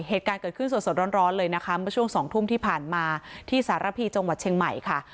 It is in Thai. เหตุการณ์เกิดขึ้นสดร้อนเลยนะคะเมื่อช่วง๒ทุ่มที่ผ่านมาที่สารพีจังหวัดเชียงใหม่ค่ะ